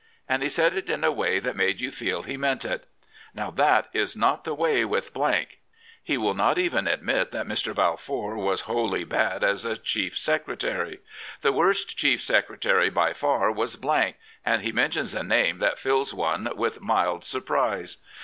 And he said it in a way that made you feel he meant it. Now that is not the way with ." He will not even admit that Mr. Balfour was wholly bad as a Chief Secretary. " The worst Chief Secretary by far was /' and he mentions a name that fills one with mild surprise.